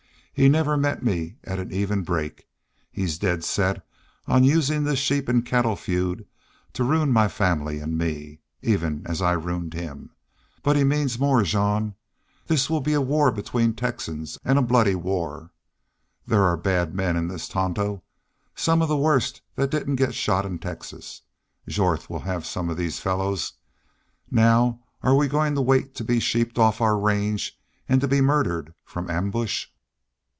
He'd never meet me at an even break. He's dead set on usin' this sheep an' cattle feud to ruin my family an' me, even as I ruined him. But he means more, Jean. This will be a war between Texans, an' a bloody war. There are bad men in this Tonto some of the worst that didn't get shot in Texas. Jorth will have some of these fellows.... Now, are we goin' to wait to be sheeped off our range an' to be murdered from ambush?"